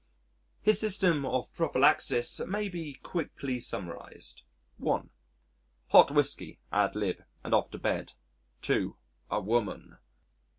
His system of prophylaxis may be quickly summarised, (1) Hot whisky ad lib. and off to bed. (2) A woman.